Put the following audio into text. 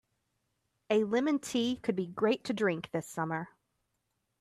A lemon tea could be great to drink this summer.